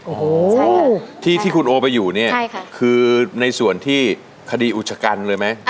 โอ้โหที่คุณโอไปอยู่เนี่ยคือในส่วนที่คดีอุชกันเลยไหม